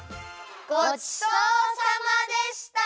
ごちそうさまでした！